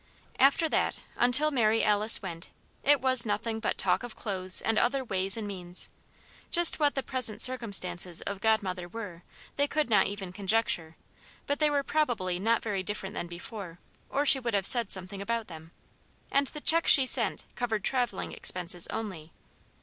After that, until Mary Alice went, it was nothing but talk of clothes and other ways and means. Just what the present circumstances of Godmother were, they could not even conjecture; but they were probably not very different than before, or she would have said something about them. And the check she sent covered travelling expenses only.